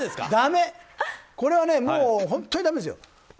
これはもう本当にだめですよ。